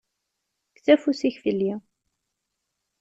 Kkes afus-ik fell-i.